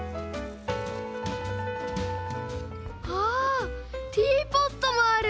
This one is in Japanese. あっティーポットもある！